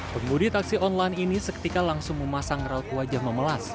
pembudi taksi online ini seketika langsung memasang raut wajah memelas